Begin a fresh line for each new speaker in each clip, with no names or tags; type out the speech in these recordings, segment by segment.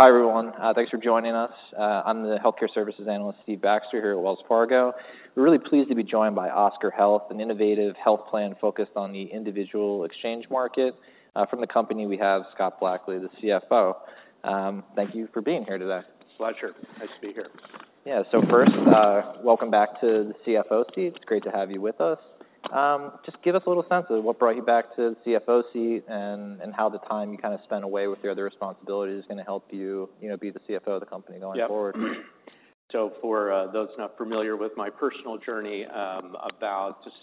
Hi, everyone. Thanks for joining us. I'm the healthcare services analyst, Steve Baxter, here at Wells Fargo. We're really pleased to be joined by Oscar Health, an innovative health plan focused on the individual exchange market. From the company, we have Scott Blackley, the CFO. Thank you for being here today.
Pleasure. Nice to be here.
Yeah. So first, welcome back to the CFO seat. It's great to have you with us. Just give us a little sense of what brought you back to the CFO seat and how the time you kind of spent away with your other responsibilities is going to help you, you know, be the CFO of the company going forward.
Yep. So for those not familiar with my personal journey, about just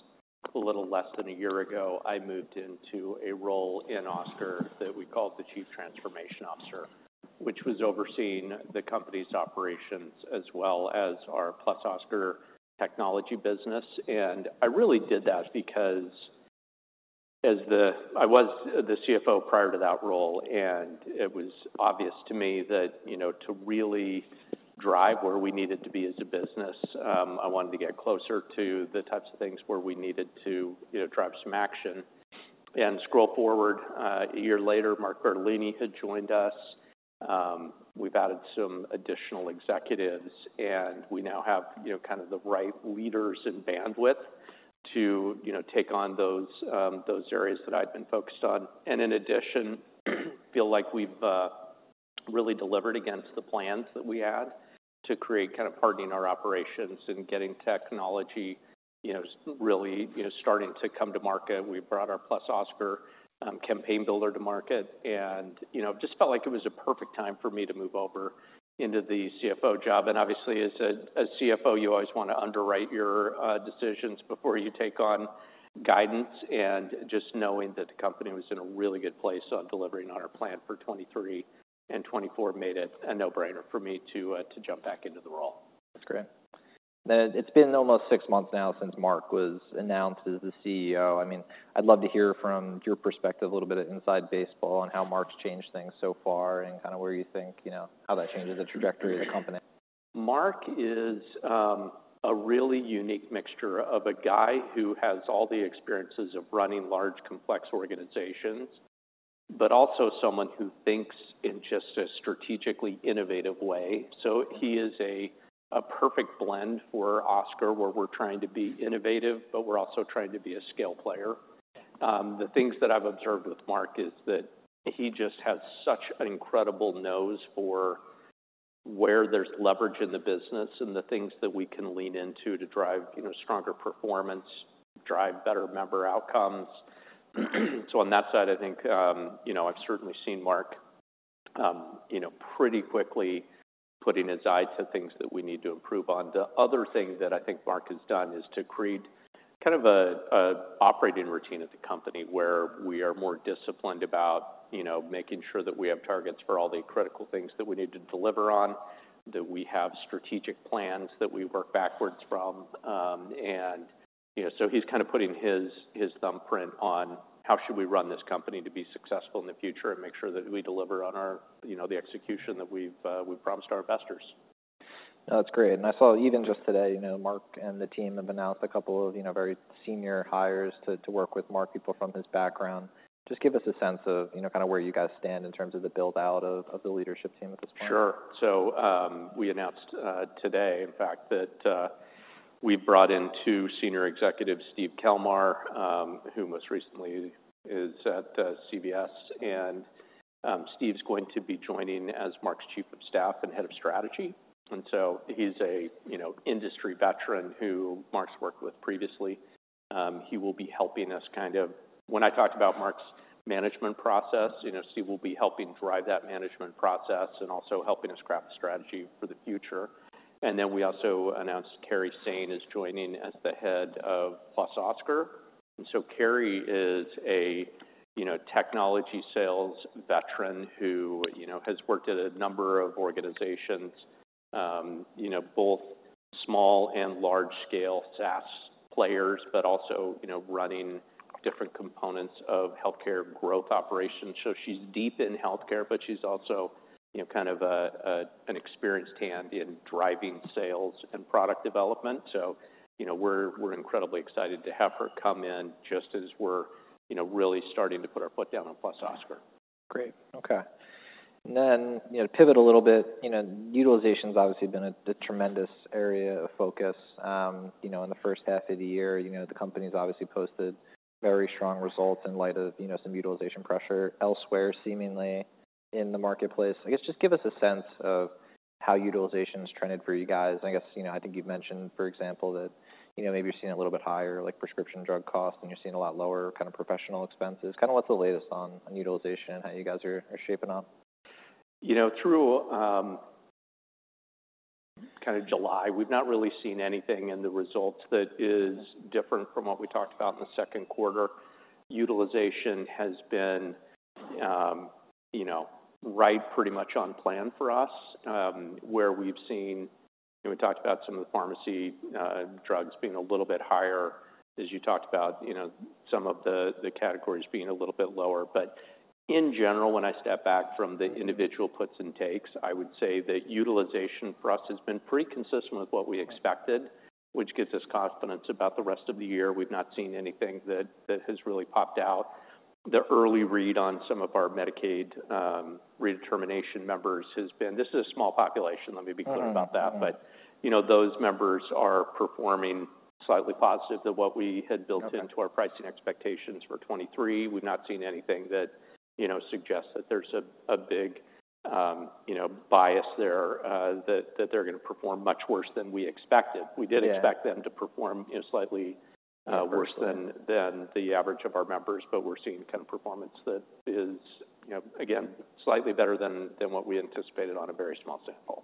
a little less than a year ago, I moved into a role in Oscar that we called the Chief Transformation Officer, which was overseeing the company's operations as well as our +Oscar technology business. I really did that because I was the CFO prior to that role, and it was obvious to me that, you know, to really drive where we needed to be as a business. I wanted to get closer to the types of things where we needed to, you know, drive some action. Scroll forward, a year later, Mark Bertolini had joined us. We've added some additional executives, and we now have, you know, kind of the right leaders and bandwidth to, you know, take on those, those areas that I've been focused on. In addition, feel like we've really delivered against the plans that we had to create kind of hardening our operations and getting technology, you know, really, you know, starting to come to market. We brought our +Oscar Campaign Builder to market, and, you know, just felt like it was a perfect time for me to move over into the CFO job. Obviously, as a CFO, you always want to underwrite your decisions before you take on guidance. Just knowing that the company was in a really good place on delivering on our plan for 2023 and 2024 made it a no-brainer for me to jump back into the role.
That's great. Then it's been almost six months now since Mark was announced as the CEO. I mean, I'd love to hear from your perspective, a little bit of inside baseball on how Mark's changed things so far and kind of where you think, you know, how that changes the trajectory of the company.
Mark is a really unique mixture of a guy who has all the experiences of running large, complex organizations, but also someone who thinks in just a strategically innovative way. So he is a perfect blend for Oscar, where we're trying to be innovative, but we're also trying to be a scale player. The things that I've observed with Mark is that he just has such an incredible nose for where there's leverage in the business and the things that we can lean into to drive, you know, stronger performance, drive better member outcomes. So on that side, I think, you know, I've certainly seen Mark, you know, pretty quickly putting his eye to things that we need to improve on. The other thing that I think Mark has done is to create kind of a operating routine at the company where we are more disciplined about, you know, making sure that we have targets for all the critical things that we need to deliver on, that we have strategic plans that we work backwards from. And, you know, so he's kind of putting his thumbprint on how should we run this company to be successful in the future and make sure that we deliver on our, you know, the execution that we've promised our investors.
That's great. And I saw even just today, you know, Mark and the team have announced a couple of, you know, very senior hires to work with Mark, people from his background. Just give us a sense of, you know, kind of where you guys stand in terms of the build-out of the leadership team at this point.
Sure. So, we announced today, in fact, that we brought in two senior executives, Steve Kelmar, who most recently is at CVS, and Steve's going to be joining as Mark's Chief of Staff and Head of Strategy. And so he's a, you know, industry veteran who Mark's worked with previously. He will be helping us kind of... When I talked about Mark's management process, you know, Steve will be helping drive that management process and also helping us craft a strategy for the future. And then we also announced Kerry Sain is joining as the Head of +Oscar. And so Kerry is a, you know, technology sales veteran who, you know, has worked at a number of organizations, you know, both small and large-scale SaaS players, but also, you know, running different components of healthcare growth operations. So she's deep in healthcare, but she's also, you know, kind of an experienced hand in driving sales and product development. So you know, we're incredibly excited to have her come in just as we're, you know, really starting to put our foot down on +Oscar.
Great. Okay. And then, you know, to pivot a little bit, you know, utilization's obviously been a tremendous area of focus. You know, in the first half of the year, you know, the company's obviously posted very strong results in light of, you know, some utilization pressure elsewhere, seemingly in the marketplace. I guess, just give us a sense of how utilization's trended for you guys. I guess, you know, I think you've mentioned, for example, that, you know, maybe you're seeing a little bit higher, like, prescription drug costs, and you're seeing a lot lower kind of professional expenses. Kind of what's the latest on utilization and how you guys are shaping up?
You know, through kind of July, we've not really seen anything in the results that is different from what we talked about in the second quarter. Utilization has been, you know, right pretty much on plan for us, where we've seen. And we talked about some of the pharmacy drugs being a little bit higher, as you talked about, you know, some of the, the categories being a little bit lower. But in general, when I step back from the individual puts and takes, I would say that utilization for us has been pretty consistent with what we expected, which gives us confidence about the rest of the year. We've not seen anything that, that has really popped out. The early read on some of our Medicaid redetermination members has been. This is a small population, let me be clear about that. But, you know, those members are performing slightly positive than what we had built into-
Okay
Our pricing expectations for 2023. We've not seen anything that, you know, suggests that there's a big bias there, that they're going to perform much worse than we expected.
Yeah.
We did expect them to perform, you know, slightly worse than the average of our members, but we're seeing the kind of performance that is, you know, again, slightly better than what we anticipated on a very small sample.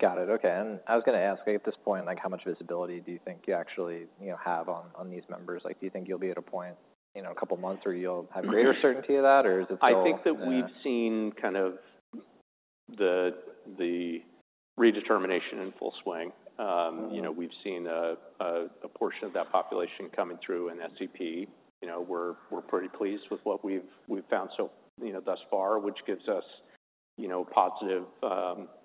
Got it. Okay, and I was gonna ask, at this point, like, how much visibility do you think you actually, you know, have on, on these members? Like, do you think you'll be at a point in a couple months where you'll have greater certainty of that, or is it still-
I think that we've seen kind of the redetermination in full swing. You know, we've seen a portion of that population coming through in SEP. You know, we're pretty pleased with what we've found so, you know, thus far, which gives us, you know, positive,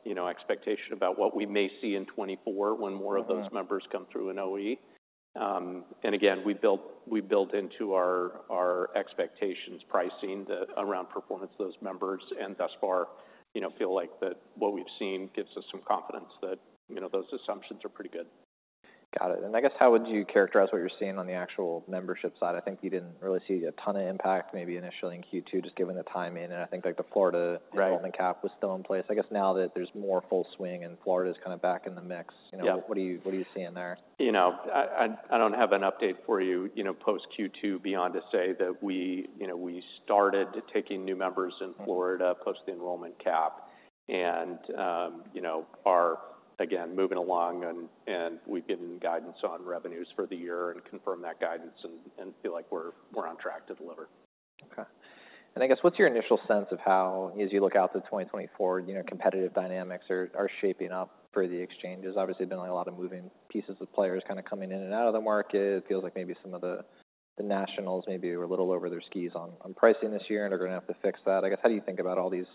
you know, expectation about what we may see in 2024 when more-
Mm-hmm...
of those members come through in OE. And again, we built into our expectations, pricing them around performance of those members, and thus far, you know, feel like what we've seen gives us some confidence that, you know, those assumptions are pretty good.
Got it. And I guess how would you characterize what you're seeing on the actual membership side? I think you didn't really see a ton of impact, maybe initially in Q2, just given the timing, and I think, like, the Florida-
Right
-enrollment cap was still in place. I guess now that there's more full swing and Florida's kind of back in the mix-
Yeah...
what are you seeing there?
You know, I don't have an update for you, you know, post-Q2 beyond to say that we, you know, we started taking new members in Florida post the enrollment cap and, you know, are again moving along and we've given guidance on revenues for the year and confirmed that guidance and feel like we're on track to deliver.
Okay. I guess, what's your initial sense of how, as you look out to 2024, you know, competitive dynamics are, are shaping up for the exchanges? Obviously, been a lot of moving pieces with players kind of coming in and out of the market. It feels like maybe some of the, the nationals maybe were a little over their skis on, on pricing this year and are going to have to fix that. I guess, how do you think about all these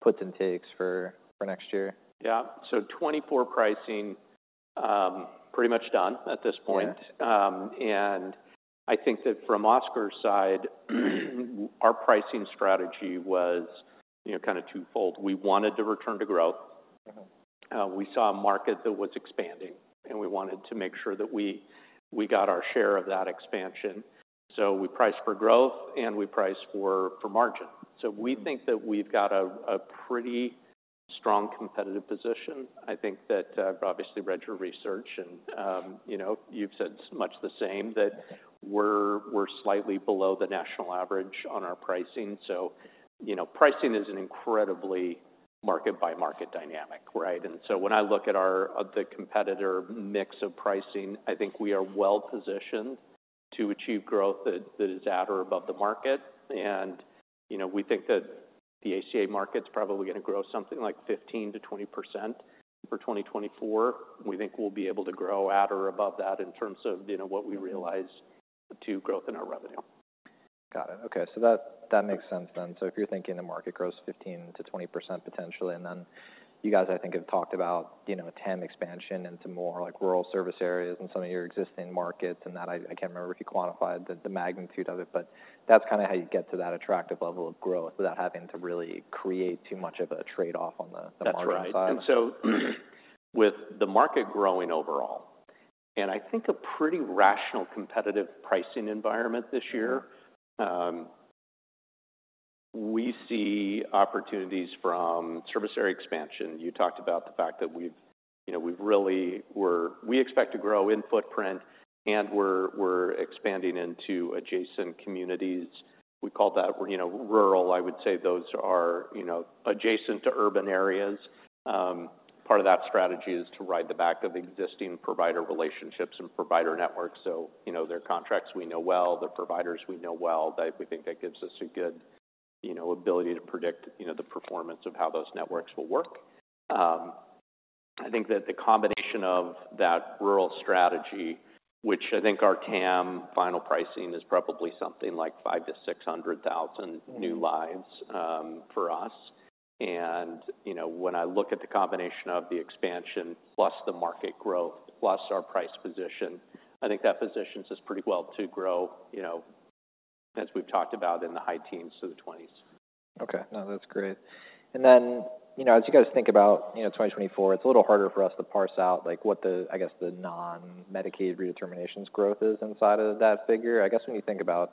puts and takes for, for next year?
Yeah. So 2024 pricing, pretty much done at this point.
Yeah.
And I think that from Oscar's side, our pricing strategy was, you know, kind of twofold. We wanted to return to growth.
Mm-hmm.
We saw a market that was expanding, and we wanted to make sure that we got our share of that expansion. So we priced for growth, and we priced for margin. So we think that we've got a pretty strong competitive position. I think that I've obviously read your research and, you know, you've said much the same, that we're slightly below the national average on our pricing. So, you know, pricing is an incredibly market-by-market dynamic, right? And so when I look at our, at the competitor mix of pricing, I think we are well-positioned to achieve growth that is at or above the market. And, you know, we think that the ACA market's probably gonna grow something like 15%-20% for 2024. We think we'll be able to grow at or above that in terms of, you know, what we realize to growth in our revenue.
Got it. Okay, so that makes sense then. So if you're thinking the market grows 15%-20% potentially, and then you guys, I think, have talked about, you know, a 10 expansion into more, like, rural service areas in some of your existing markets, and that I can't remember if you quantified the magnitude of it, but that's kind of how you get to that attractive level of growth without having to really create too much of a trade-off on the market side.
That's right. And so with the market growing overall, and I think a pretty rational competitive pricing environment this year- we see opportunities from service area expansion. You talked about the fact that we've, you know, we've really-- we're, we expect to grow in footprint, and we're, we're expanding into adjacent communities. We call that, you know, rural. I would say those are, you know, adjacent to urban areas. Part of that strategy is to ride the back of existing provider relationships and provider networks, so, you know, they're contracts we know well, they're providers we know well. That, we think that gives us a good, you know, ability to predict, you know, the performance of how those networks will work. I think that the combination of that rural strategy, which I think our TAM final pricing, is probably something like 500,000-600,000 new lives-
Mm-hmm...
for us. And, you know, when I look at the combination of the expansion plus the market growth, plus our price position, I think that positions us pretty well to grow, you know, as we've talked about in the high teens to the twenties.
Okay. No, that's great. And then, you know, as you guys think about, you know, 2024, it's a little harder for us to parse out, like, what the, I guess, the non-Medicaid redeterminations growth is inside of that figure. I guess when you think about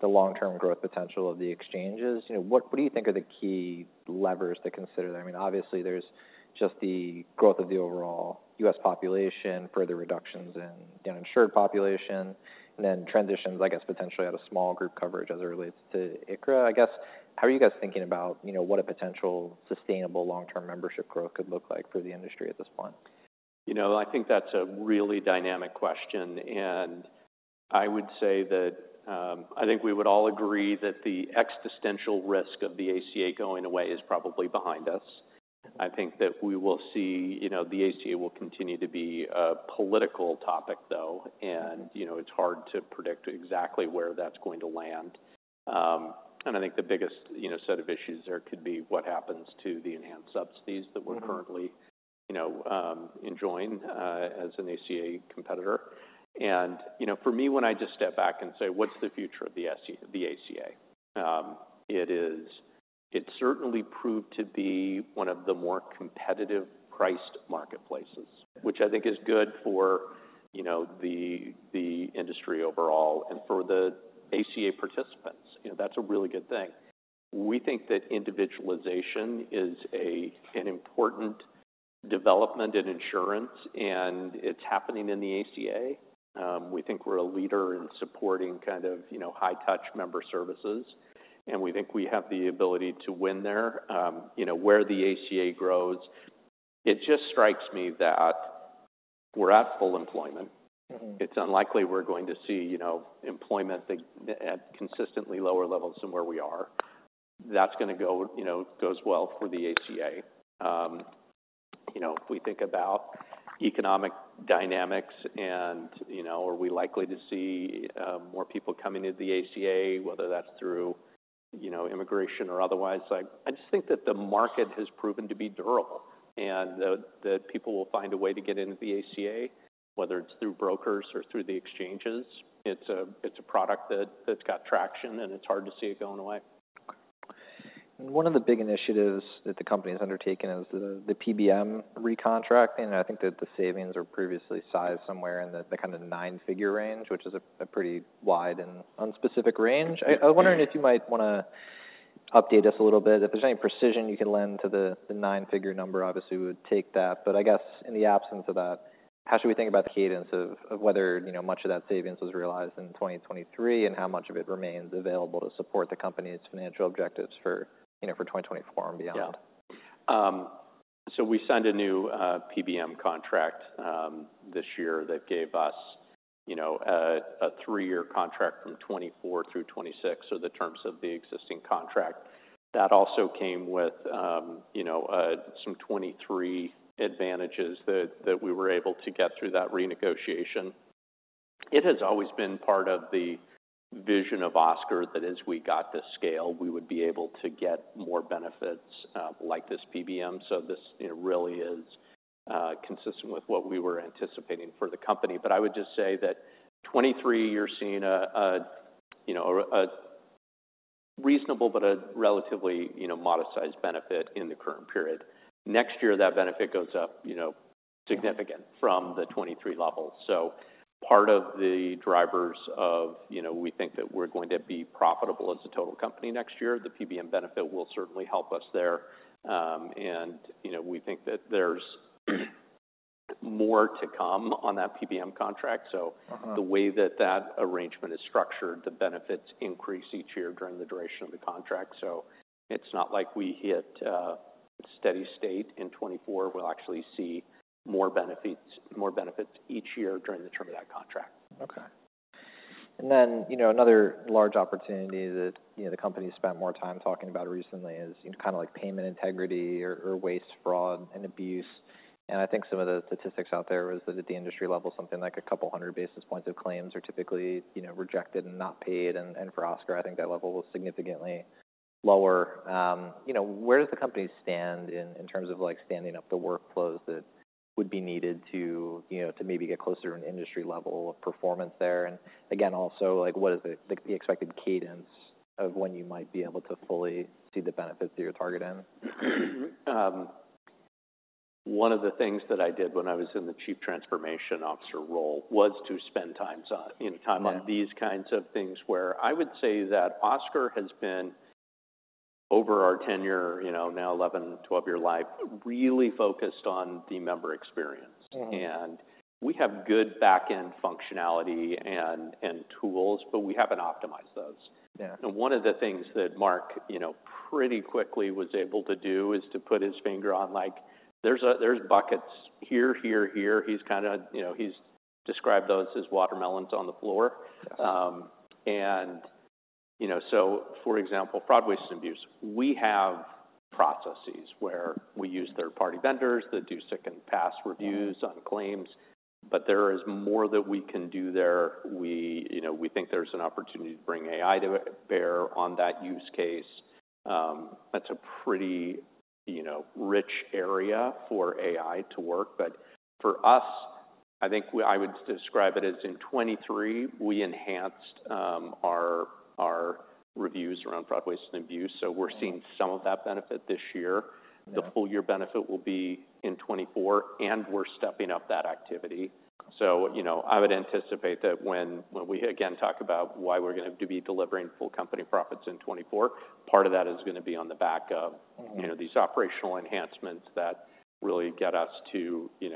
the long-term growth potential of the exchanges, you know, what, what do you think are the key levers to consider? I mean, obviously there's just the growth of the overall U.S. population, further reductions in the uninsured population, and then transitions, I guess, potentially out of small group coverage as it relates to ICHRA. I guess, how are you guys thinking about, you know, what a potential sustainable long-term membership growth could look like for the industry at this point?
You know, I think that's a really dynamic question, and I would say that, I think we would all agree that the existential risk of the ACA going away is probably behind us.... I think that we will see, you know, the ACA will continue to be a political topic, though, and, you know, it's hard to predict exactly where that's going to land. And I think the biggest, you know, set of issues there could be what happens to the enhanced subsidies that we're-
Mm-hmm.
Currently, you know, enjoying as an ACA competitor. And, you know, for me, when I just step back and say: What's the future of the ACA? It certainly proved to be one of the more competitive priced marketplaces, which I think is good for, you know, the, the industry overall and for the ACA participants. You know, that's a really good thing. We think that individualization is a, an important development in insurance, and it's happening in the ACA. We think we're a leader in supporting kind of, you know, high-touch member services, and we think we have the ability to win there, you know, where the ACA grows. It just strikes me that we're at full employment.
Mm-hmm.
It's unlikely we're going to see, you know, employment at consistently lower levels than where we are. That's gonna go, you know, goes well for the ACA. You know, if we think about economic dynamics and, you know, are we likely to see more people coming into the ACA, whether that's through, you know, immigration or otherwise, I just think that the market has proven to be durable, and that people will find a way to get into the ACA, whether it's through brokers or through the exchanges. It's a product that's got traction, and it's hard to see it going away.
One of the big initiatives that the company has undertaken is the BPO recontracting. I think that the savings were previously sized somewhere in the kind of nine-figure range, which is a pretty wide and unspecific range. I was wondering if you might wanna update us a little bit. If there's any precision you can lend to the nine-figure number, obviously we would take that. But I guess in the absence of that, how should we think about the cadence of whether, you know, much of that savings was realized in 2023, and how much of it remains available to support the company's financial objectives for, you know, for 2024 and beyond?
Yeah. So we signed a new PBM contract this year that gave us, you know, a 3-year contract from 2024 through 2026, so the terms of the existing contract. That also came with, you know, some 2023 advantages that we were able to get through that renegotiation. It has always been part of the vision of Oscar that as we got to scale, we would be able to get more benefits, like this PBM, so this, you know, really is consistent with what we were anticipating for the company. But I would just say that 2023, you're seeing a, you know, a reasonable but a relatively, you know, modest-sized benefit in the current period. Next year, that benefit goes up, you know, significant from the 2023 levels. So part of the drivers of, you know, we think that we're going to be profitable as a total company next year, the PBM benefit will certainly help us there. And, you know, we think that there's more to come on that PBM contract, so-
Mm-hmm...
the way that that arrangement is structured, the benefits increase each year during the duration of the contract. So it's not like we hit a steady state in 2024. We'll actually see more benefits, more benefits each year during the term of that contract.
Okay. And then, you know, another large opportunity that, you know, the company spent more time talking about recently is kind of like payment integrity or waste, fraud, and abuse. And I think some of the statistics out there was that at the industry level, something like a couple hundred basis points of claims are typically, you know, rejected and not paid. And for Oscar, I think that level was significantly lower. You know, where does the company stand in terms of, like, standing up the workflows that would be needed to, you know, to maybe get closer to an industry level of performance there? And again, also, like, what is the expected cadence of when you might be able to fully see the benefits that you're targeting?
One of the things that I did when I was in the Chief Transformation Officer role was to spend time on-
Yeah...
time on these kinds of things, where I would say that Oscar has been, over our tenure, you know, now 11, 12-year life, really focused on the member experience.
Mm-hmm.
We have good back-end functionality and tools, but we haven't optimized those.
Yeah.
One of the things that Mark, you know, pretty quickly was able to do is to put his finger on, like, "There's buckets here, here, here." He's kinda, you know, he's described those as watermelons on the floor.
Yes.
and, you know, so for example, fraud, waste, and abuse. We have processes where we use third-party vendors that do second pass reviews on claims, but there is more that we can do there. We, you know, we think there's an opportunity to bring AI to bear on that use case. That's a pretty, you know, rich area for AI to work. But for us, I think we—I would describe it as in 2023, we enhanced our reviews around fraud, waste, and abuse, so we're- seeing some of that benefit this year.
Yeah.
The full-year benefit will be in 2024, and we're stepping up that activity. So, you know, I would anticipate that when we again talk about why we're going to be delivering full company profits in 2024, part of that is gonna be on the back of-
Mm-hmm...
you know, these operational enhancements that really get us to, you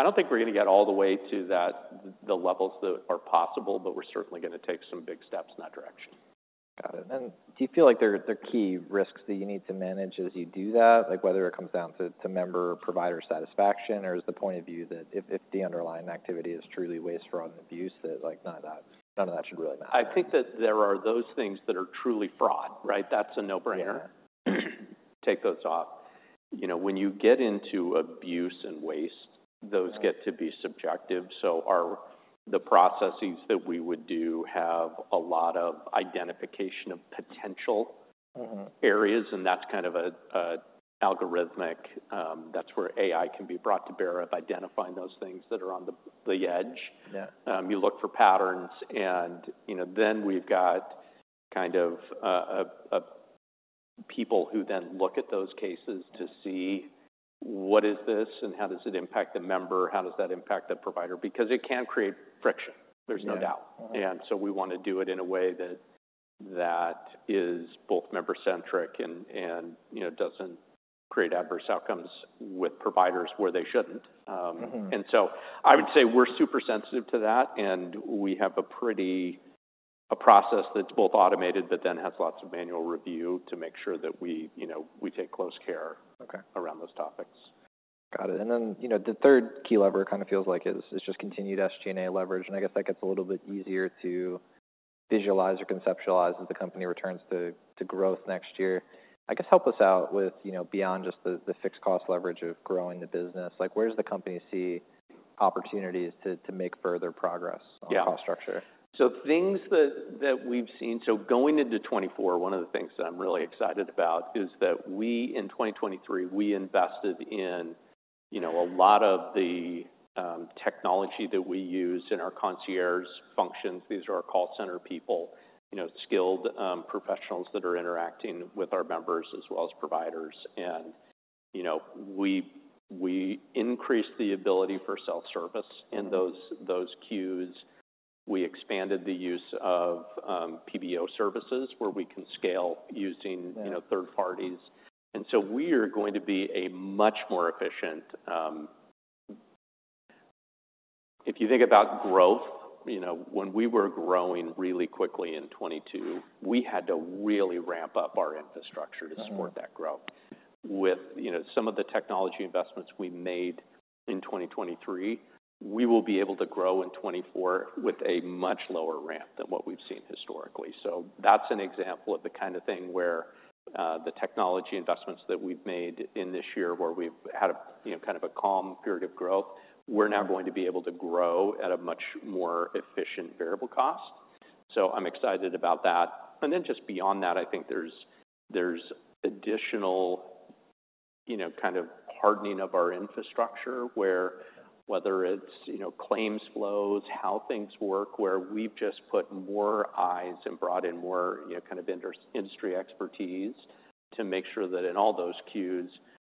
know... I don't think we're gonna get all the way to that, the levels that are possible, but we're certainly gonna take some big steps in that direction.
Got it. And do you feel like there, there are key risks that you need to manage as you do that? Like, whether it comes down to, to member or provider satisfaction, or is the point of view that if, if the underlying activity is truly waste, fraud, and abuse, that, like, none of that, none of that should really matter?
I think that there are those things that are truly fraud, right? That's a no-brainer.
Yeah....
take those off. You know, when you get into abuse and waste, those get to be subjective. So our, the processes that we would do have a lot of identification of potential-
Mm-hmm.
areas, and that's kind of an algorithmic, that's where AI can be brought to bear, of identifying those things that are on the edge.
Yeah.
You look for patterns and, you know, then we've got kind of, people who then look at those cases to see what is this, and how does it impact the member, how does that impact the provider? Because it can create friction, there's no doubt.
Yeah. Mm-hmm.
And so we wanna do it in a way that is both member-centric and, you know, doesn't create adverse outcomes with providers where they shouldn't.
Mm-hmm.
And so I would say we're super sensitive to that, and we have a pretty... process that's both automated, but then has lots of manual review to make sure that we, you know, we take close care...
Okay
around those topics.
Got it, and then, you know, the third key lever kind of feels like it is just continued SG&A leverage, and I guess that gets a little bit easier to visualize or conceptualize as the company returns to, to growth next year. I guess, help us out with, you know, beyond just the, the fixed cost leverage of growing the business, like, where does the company see opportunities to, to make further progress-
Yeah
-on cost structure?
So going into 2024, one of the things that I'm really excited about is that we, in 2023, we invested in, you know, a lot of the technology that we use in our concierge functions. These are our call center people, you know, skilled professionals that are interacting with our members as well as providers. And, you know, we, we increased the ability for self-service in those queues. We expanded the use of BPO services, where we can scale using-
Yeah
you know, third parties, and so we are going to be a much more efficient. If you think about growth, you know, when we were growing really quickly in 2022, we had to really ramp up our infrastructure-
Mm-hmm
to support that growth. With, you know, some of the technology investments we made in 2023, we will be able to grow in 2024 with a much lower ramp than what we've seen historically. So that's an example of the kind of thing where, the technology investments that we've made in this year, where we've had a, you know, kind of a calm period of growth, we're now going to be able to grow at a much more efficient variable cost. So I'm excited about that. And then, just beyond that, I think there's, there's additional, you know, kind of hardening of our infrastructure, where whether it's, you know, claims flows, how things work, where we've just put more eyes and brought in more, you know, kind of industry expertise to make sure that in all those queues,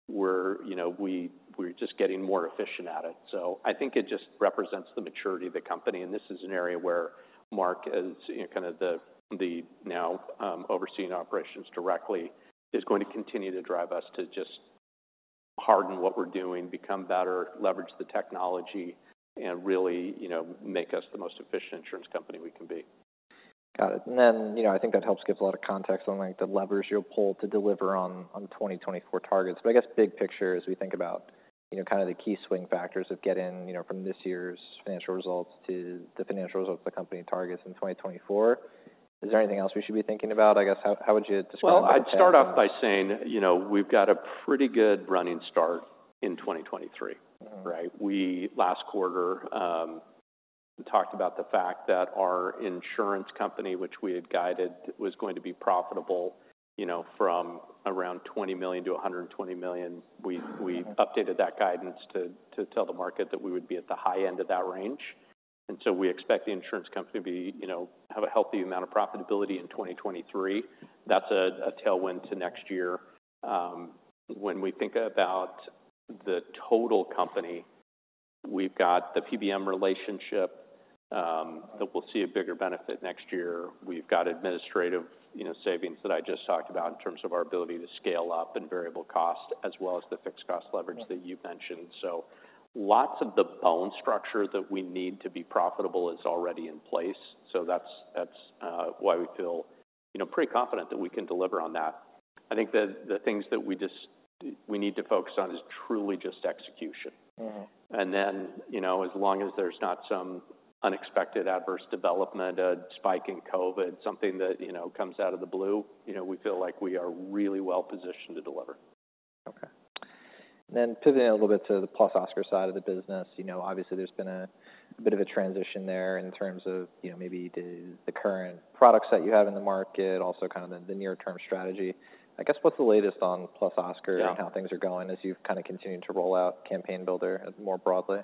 we're, you know, we're just getting more efficient at it. I think it just represents the maturity of the company, and this is an area where Mark is, you know, kind of the now overseeing operations directly, is going to continue to drive us to just harden what we're doing, become better, leverage the technology, and really, you know, make us the most efficient insurance company we can be.
Got it, and then, you know, I think that helps give a lot of context on, like, the levers you'll pull to deliver on 2024 targets. But I guess big picture, as we think about, you know, kind of the key swing factors of getting, you know, from this year's financial results to the financial results the company targets in 2024, is there anything else we should be thinking about? I guess, how would you describe that?
Well, I'd start off by saying, you know, we've got a pretty good running start in 2023. Right? We, last quarter, talked about the fact that our insurance company, which we had guided, was going to be profitable, you know, from around $20 million to $120 million. We updated that guidance to tell the market that we would be at the high end of that range, and so we expect the insurance company to be, you know, have a healthy amount of profitability in 2023. That's a tailwind to next year. When we think about the total company, we've got the PBM relationship that will see a bigger benefit next year. We've got administrative, you know, savings that I just talked about in terms of our ability to scale up and variable cost, as well as the fixed cost leverage-
Mm-hmm
-that you've mentioned. So lots of the bone structure that we need to be profitable is already in place, so that's, that's, why we feel, you know, pretty confident that we can deliver on that. I think that the things that we just, we need to focus on is truly just execution.
Mm-hmm.
And then, you know, as long as there's not some unexpected adverse development, a spike in COVID, something that, you know, comes out of the blue, you know, we feel like we are really well positioned to deliver.
Okay. Then pivoting a little bit to the +Oscar side of the business, you know, obviously there's been a bit of a transition there in terms of, you know, maybe the, the current products that you have in the market, also kind of the near-term strategy. I guess, what's the latest on +Oscar?
Yeah
How things are going as you've kind of continued to roll out Campaign Builder more broadly?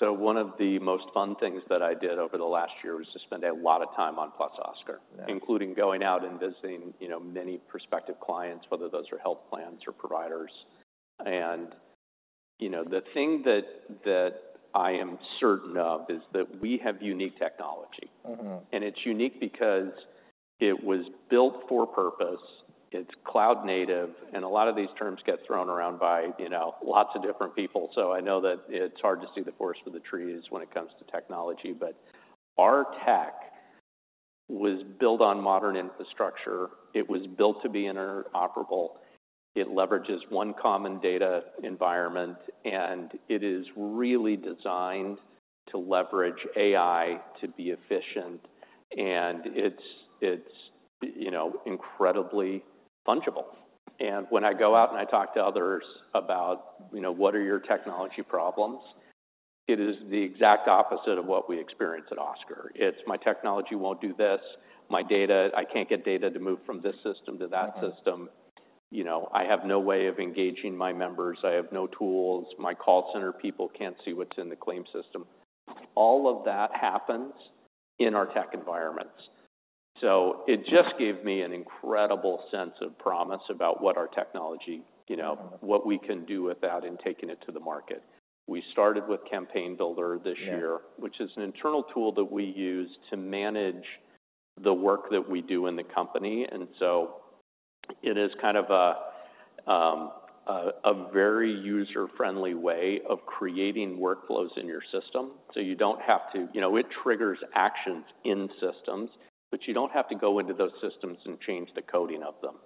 So one of the most fun things that I did over the last year was to spend a lot of time on +Oscar-
Yeah...
including going out and visiting, you know, many prospective clients, whether those are health plans or providers. And, you know, the thing that I am certain of is that we have unique technology.
Mm-hmm.
It's unique because it was built for purpose, it's cloud native, and a lot of these terms get thrown around by, you know, lots of different people. So I know that it's hard to see the forest for the trees when it comes to technology, but our tech was built on modern infrastructure. It was built to be interoperable. It leverages one common data environment, and it is really designed to leverage AI to be efficient... and it's, you know, incredibly fungible. And when I go out and I talk to others about, you know, what are your technology problems, it is the exact opposite of what we experience at Oscar. It's: My technology won't do this, my data—I can't get data to move from this system to that system.
Mm-hmm.
You know, I have no way of engaging my members. I have no tools. My call center people can't see what's in the claim system. All of that happens in our tech environments. So it just gave me an incredible sense of promise about what our technology, you know-
Mm-hmm...
what we can do with that in taking it to the market. We started with Campaign Builder this year-
Yeah...
which is an internal tool that we use to manage the work that we do in the company. So it is kind of a very user-friendly way of creating workflows in your system. You don't have to... You know, it triggers actions in systems, but you don't have to go into those systems and change the coding of them.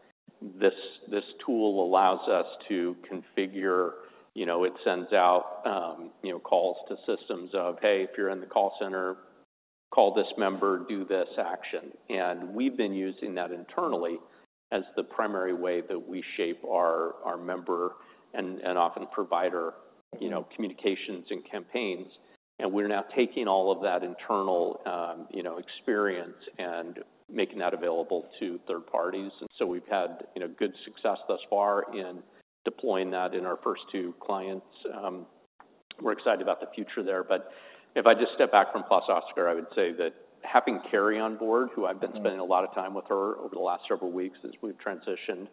This tool allows us to configure. You know, it sends out, you know, calls to systems of, "Hey, if you're in the call center, call this member, do this action." We've been using that internally as the primary way that we shape our member and often provider-
Mm-hmm...
you know, communications and campaigns. And we're now taking all of that internal, you know, experience and making that available to third parties. And so we've had, you know, good success thus far in deploying that in our first two clients. We're excited about the future there. But if I just step back from +Oscar, I would say that having Kerry on board, who-
Mm-hmm...
I've been spending a lot of time with her over the last several weeks as we've transitioned.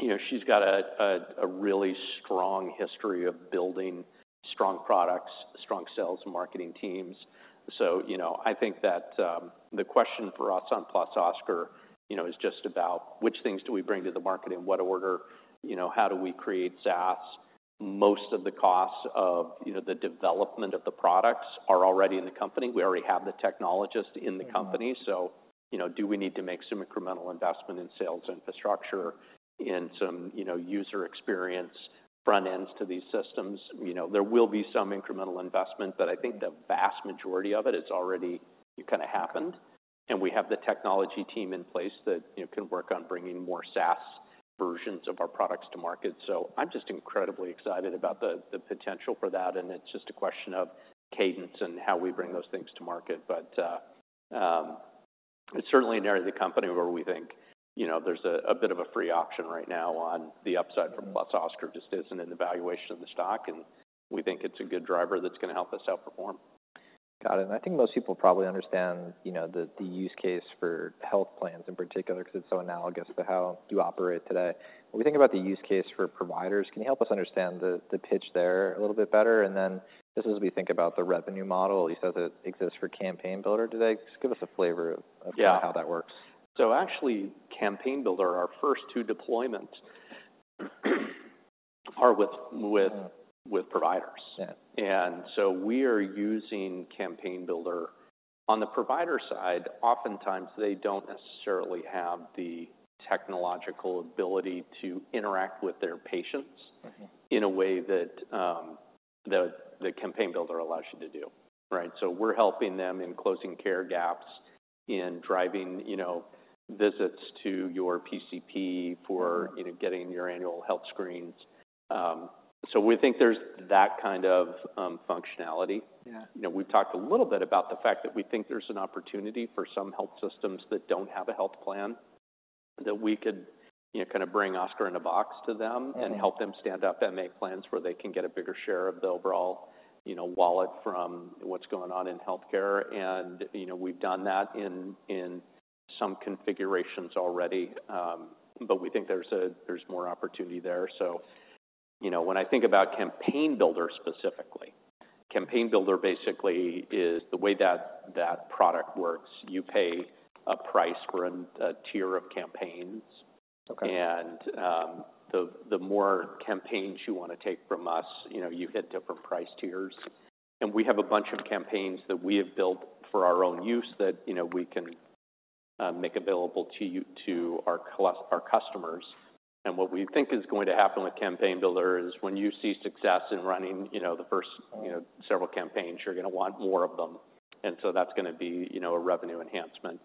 You know, she's got a really strong history of building strong products, strong sales and marketing teams. So, you know, I think that the question for us on +Oscar, you know, is just about which things do we bring to the market, in what order? You know, how do we create SaaS? Most of the costs of, you know, the development of the products are already in the company. We already have the technologists in the company.
Mm-hmm.
So, you know, do we need to make some incremental investment in sales infrastructure, in some, you know, user experience front ends to these systems? You know, there will be some incremental investment, but I think the vast majority of it, it's already kinda happened, and we have the technology team in place that, you know, can work on bringing more SaaS versions of our products to market. So I'm just incredibly excited about the potential for that, and it's just a question of cadence and how we bring those things to market. But, it's certainly an area of the company where we think, you know, there's a bit of a free option right now on the upside-
Mm-hmm...
from +Oscar just isn't in the valuation of the stock, and we think it's a good driver that's gonna help us outperform.
Got it. And I think most people probably understand, you know, the use case for health plans in particular 'cause it's so analogous to how you operate today. When we think about the use case for providers, can you help us understand the pitch there a little bit better? And then just as we think about the revenue model, you said that it exists for Campaign Builder today. Just give us a flavor of-
Yeah...
how that works.
So actually, Campaign Builder, our first two deployments, are with, with-
Mm...
with providers.
Yeah.
And so we are using Campaign Builder. On the provider side, oftentimes, they don't necessarily have the technological ability to interact with their patients-
Mm-hmm...
in a way that, the Campaign Builder allows you to do, right? So we're helping them in closing care gaps, in driving, you know, visits to your PCP for-
Mm-hmm...
you know, getting your annual health screens. So we think there's that kind of functionality.
Yeah.
You know, we've talked a little bit about the fact that we think there's an opportunity for some health systems that don't have a health plan, that we could, you know, kind of bring Oscar in a box to them-
Mm-hmm...
and help them stand up and make plans where they can get a bigger share of the overall, you know, wallet from what's going on in healthcare. And, you know, we've done that in some configurations already, but we think there's more opportunity there. So, you know, when I think about Campaign Builder specifically, Campaign Builder basically is the way that that product works: You pay a price for a tier of campaigns.
Okay.
And, the more campaigns you wanna take from us, you know, you hit different price tiers. And we have a bunch of campaigns that we have built for our own use that, you know, we can make available to you, to our customers. And what we think is going to happen with Campaign Builder is, when you see success in running, you know, the first-
Mm...
you know, several campaigns, you're gonna want more of them, and so that's gonna be, you know, a revenue enhancement.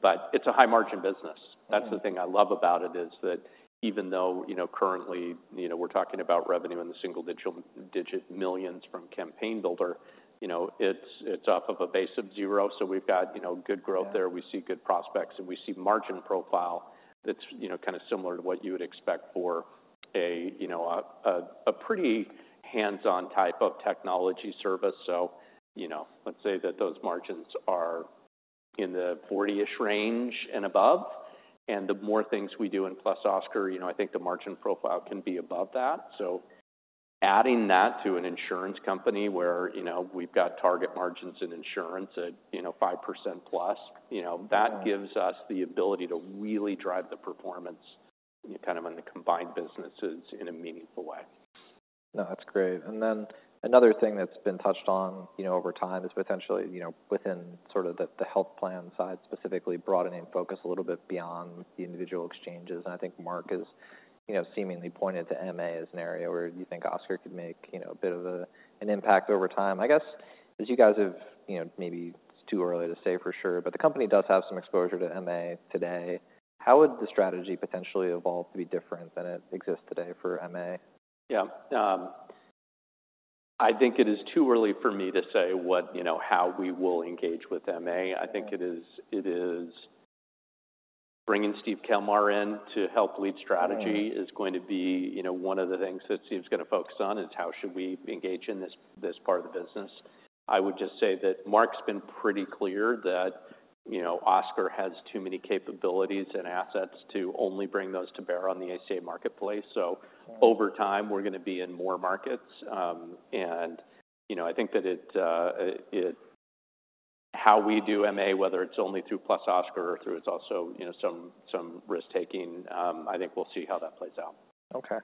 But it's a high-margin business. That's the thing I love about it, is that even though, you know, currently, you know, we're talking about revenue in the $1-$9 million range from Campaign Builder, you know, it's, it's off of a base of zero, so we've got, you know, good growth there.
Yeah.
We see good prospects, and we see margin profile that's, you know, kinda similar to what you would expect for a, you know, pretty hands-on type of technology service. So, you know, let's say that those margins are in the 40-ish range and above, and the more things we do in +Oscar, you know, I think the margin profile can be above that. So adding that to an insurance company where, you know, we've got target margins in insurance at, you know, 5%+, you know-
Mm...
that gives us the ability to really drive the performance, kind of in the combined businesses, in a meaningful way....
No, that's great. Then another thing that's been touched on, you know, over time is potentially, you know, within sort of the health plan side, specifically broadening focus a little bit beyond the individual exchanges. I think Mark has, you know, seemingly pointed to MA as an area where you think Oscar could make, you know, a bit of a, an impact over time. I guess, as you guys have, you know, maybe it's too early to say for sure, but the company does have some exposure to MA today. How would the strategy potentially evolve to be different than it exists today for MA?
Yeah, I think it is too early for me to say what, you know, how we will engage with MA.
Yeah.
I think it is, it is bringing Steve Kelmar in to help lead strategy-
Mm-hmm.
is going to be, you know, one of the things that Steve's gonna focus on, is how should we engage in this, this part of the business? I would just say that Mark's been pretty clear that, you know, Oscar has too many capabilities and assets to only bring those to bear on the ACA marketplace.
Yeah.
So over time, we're gonna be in more markets. And, you know, I think that how we do MA, whether it's only through +Oscar or through, it's also, you know, some risk-taking, I think we'll see how that plays out.
Okay.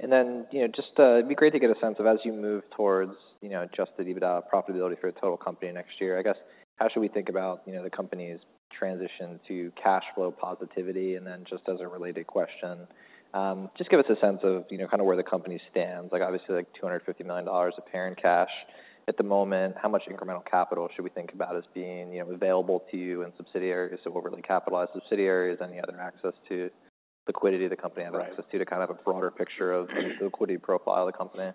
And then, you know, just, it'd be great to get a sense of as you move towards, you know, adjusted EBITDA profitability for your total company next year. I guess, how should we think about, you know, the company's transition to cash flow positivity? And then just as a related question, just give us a sense of, you know, kind of where the company stands. Like, obviously, like $250 million of parent cash at the moment. How much incremental capital should we think about as being, you know, available to you in subsidiaries? So overly capitalized subsidiaries, any other access to liquidity the company has-
Right.
to kind of a broader picture of the liquidity profile of the company.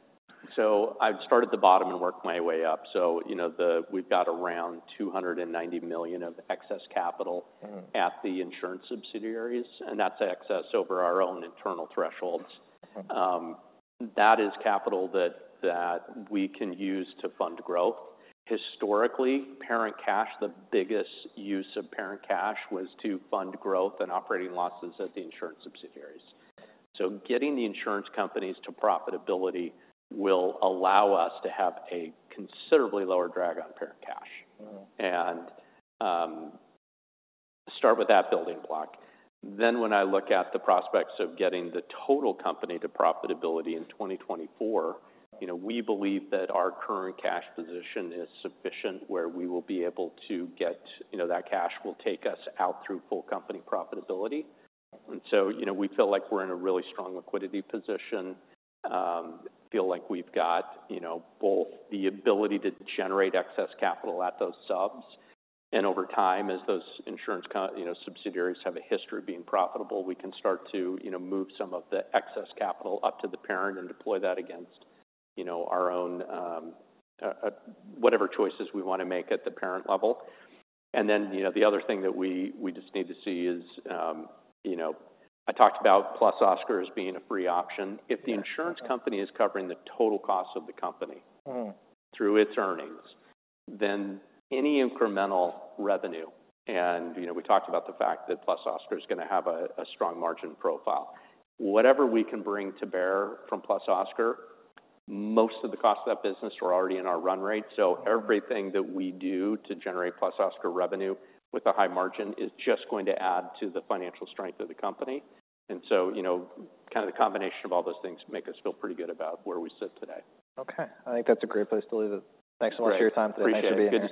So I've started the bottom and worked my way up. So, you know, the, we've got around $290 million of excess capital-
Mm-hmm.
at the insurance subsidiaries, and that's excess over our own internal thresholds.
Okay.
That is capital that we can use to fund growth. Historically, parent cash, the biggest use of parent cash, was to fund growth and operating losses at the insurance subsidiaries. So getting the insurance companies to profitability will allow us to have a considerably lower drag on parent cash.
Mm-hmm.
And, start with that building block. Then, when I look at the prospects of getting the total company to profitability in 2024, you know, we believe that our current cash position is sufficient, where we will be able to get. You know, that cash will take us out through full company profitability. And so, you know, we feel like we're in a really strong liquidity position. Feel like we've got, you know, both the ability to generate excess capital at those subs, and over time, as those insurance subsidiaries have a history of being profitable, we can start to, you know, move some of the excess capital up to the parent and deploy that against, you know, our own, whatever choices we wanna make at the parent level. And then, you know, the other thing that we just need to see is, you know, I talked about +Oscar as being a free option.
Yeah.
If the insurance company is covering the total cost of the company-
Mm-hmm.
through its earnings, then any incremental revenue, and, you know, we talked about the fact that +Oscar is gonna have a strong margin profile. Whatever we can bring to bear from +Oscar, most of the costs of that business are already in our run rate. So everything that we do to generate +Oscar revenue with a high margin is just going to add to the financial strength of the company. And so, you know, kind of the combination of all those things make us feel pretty good about where we sit today.
Okay, I think that's a great place to leave it.
Great.
Thanks so much for your time today.
Appreciate it.
Nice to be here.